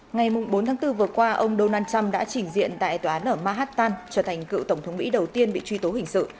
ngày bốn tháng bốn vừa qua ông donald trump đã chỉnh diện tại tòa án ở manhattan trở thành cựu tổng thống mỹ đầu tiên bị truy tố hình sự